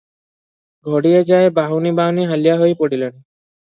ଘଡ଼ିଏ ଯାଏ ବାହୁନି ବାହୁନି ହାଲିଆ ହୋଇ ପଡିଲେଣି ।